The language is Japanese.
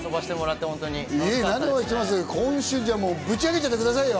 今週もぶち上げてくださいよ。